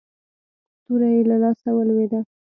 توره يې له لاسه ولوېده.